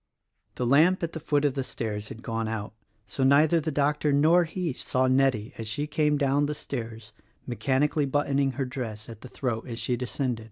The lamp at the foot of the stairs had gone out; so neither the doctor nor he saw Nettie as she came down the stairs — mechanically buttoning her dress at the throat as she descended.